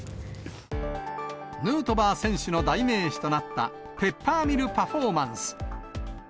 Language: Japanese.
ヌートバー選手の代名詞となったペッパーミルパフォーマンス。